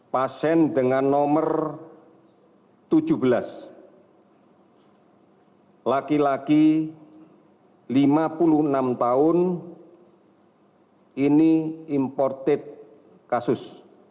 pasien dengan nomor tujuh belas laki laki lima puluh enam tahun ini imported kasus